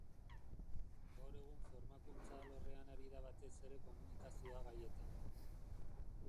Gaur egun formakuntza alorrean ari da batez ere komunikazioa gaietan.